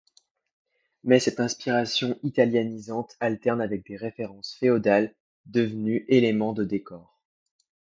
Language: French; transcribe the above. Mais cette inspiration italianisante alterne avec des références féodales devenues éléments de décor.